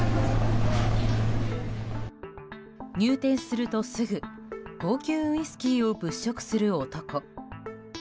入店するとすぐ高級ウイスキーを物色する男。